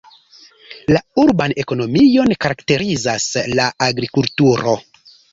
La urban ekonomion karakterizas la agrikulturo.